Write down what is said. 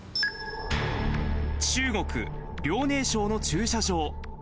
中国・遼寧省の駐車場。